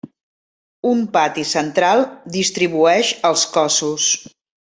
Un pati central distribueix els cossos.